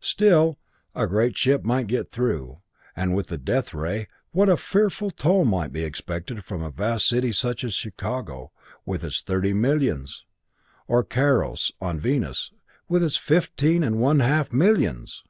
Still, a ship might get through, and with the death ray what fearful toll might be exacted from a vast city such as Chicago with its thirty millions! Or Karos, on Venus, with its fifteen and one half millions!